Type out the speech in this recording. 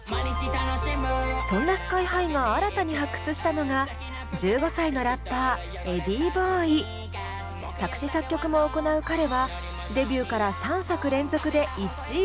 そんなＳＫＹ−ＨＩが新たに発掘したのが作詞作曲も行う彼はデビューから３作連続で１位を獲得。